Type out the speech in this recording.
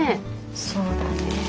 そうだね。